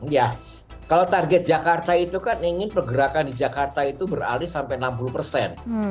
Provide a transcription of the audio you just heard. ya kalau target jakarta itu kan ingin pergerakan di jakarta itu beralih sampai enam puluh persen